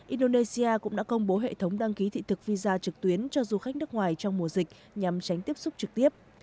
indonesia cũng đã công bố hệ thống đăng ký thị thực visa trực tuyến cho du khách nước ngoài trong mùa dịch nhằm tránh tiếp xúc trực tiếp